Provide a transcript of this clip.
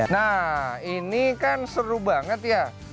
nah ini kan seru banget ya